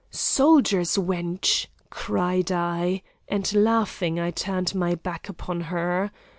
'Soldier's wench!' cried I, and laughing, I turned my back upon her.